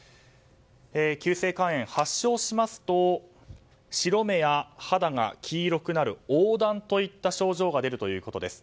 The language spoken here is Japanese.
急性肝炎、発症しますと白目や肌が黄色くなる黄だんといった症状が出るということです。